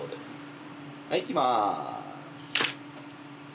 はいいきます。